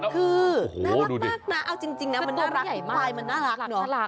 คือน่ารักมากนะเอาจริงนะมันน่ารักควายมันน่ารักเนอะ